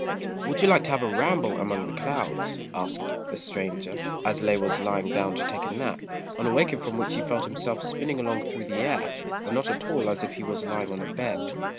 "Would you like to have a ramble among the clouds?" asked the stranger, as Lê was lying down to take a nap; on awaking from which he felt himself spinning along through the air, and not at all as if he was lying on a bed.